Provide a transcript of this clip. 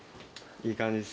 いい感じっす。